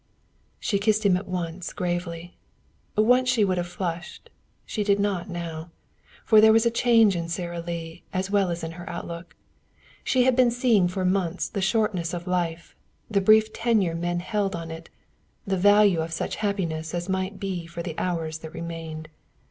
She kissed him at once gravely. Once she would have flushed. She did not now. For there was a change in Sara Lee as well as in her outlook. She had been seeing for months the shortness of life, the brief tenure men held on it, the value of such happiness as might be for the hours that remained.